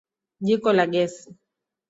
Jiko la gesi.